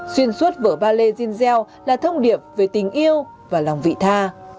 xuyên suốt vở ballet zinzel là thông điệp về tình yêu và lòng vị tha